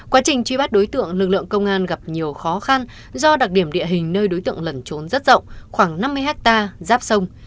quá trình truy bắt đối tượng lực lượng công an gặp nhiều khó khăn do đặc điểm địa hình nơi đối tượng lẩn trốn rất rộng khoảng năm mươi hectare giáp sông